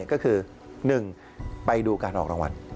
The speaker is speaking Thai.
ก็คือ๑ไปดูการออกรางวัล